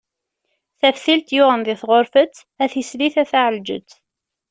Taftilt yuɣen di tɣurfet, a tislit a taɛelǧet.